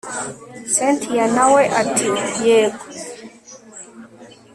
cyntia nawe ati yego